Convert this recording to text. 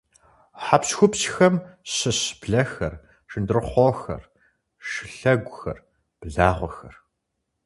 Хьэпщхупщхэм щыщщ блэхэр, шындрыхъуохэр, шылъэгухэр, благъуэхэр.